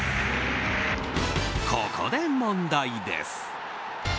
ここで問題です。